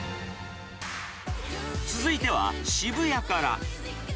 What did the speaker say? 続いては渋谷から。